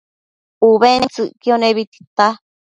ubentsëcquio nebi tita